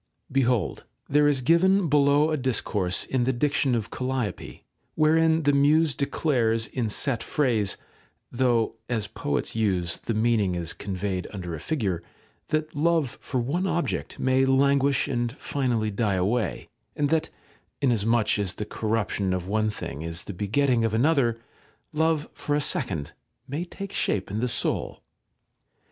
§ 2. Behold, there is given below a discourse in the diction of Calliope, wherein the Muse declares in set phrase (though, as poets use, the meaning is conveyed under a figure) that love for one object may languish and finally die away, and that (inasmuch as the corruption of one thing is the begetting of another) love for a second may take shape in the soul.